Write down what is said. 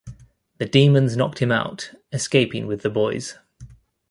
The demons knocked him out, escaping with the boys.